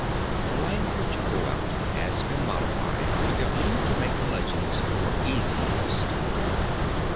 The language throughout has been modified with a view to making the legends more easy of study.